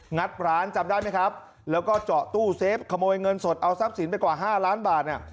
ัดร้านจำได้ไหมครับแล้วก็เจาะตู้เซฟขโมยเงินสดเอาทรัพย์สินไปกว่า๕ล้านบาทเนี่ย